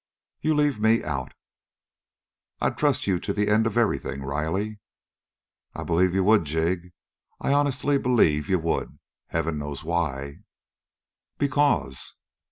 "You leave me out." "I'd trust you to the end of everything, Riley." "I b'lieve you would, Jig I honest believe you would! Heaven knows why." "Because."